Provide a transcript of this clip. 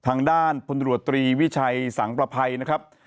ทางด้านพลตรวจตรีวิชัยสังประภัยนะครับ